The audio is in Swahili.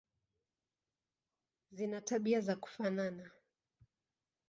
Zina tabia za kufanana.